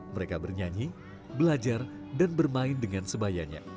mereka bernyanyi belajar dan bermain dengan sebayanya